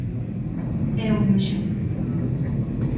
É un luxo.